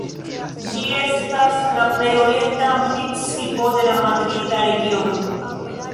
Ĝi estas la plej orienta municipo de la Madrida Regiono.